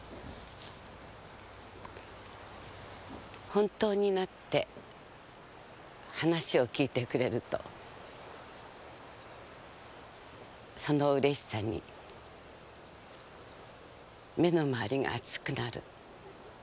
「本当になって話をきいてくれると「そのうれしさに目のまわりがあつくなる」